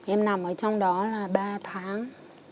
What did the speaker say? em nằm ở trong đó là ba tháng